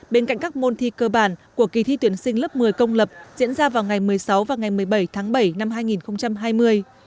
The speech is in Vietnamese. bên cạnh các môn thi cơ bản của kỳ thi tuyển sinh lớp một mươi công lập diễn ra vào ngày một mươi sáu và ngày một mươi bảy tháng bảy năm hai nghìn hai mươi